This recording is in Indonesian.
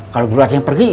kalo beruat yang pergi